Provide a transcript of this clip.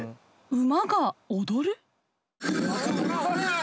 馬が踊る？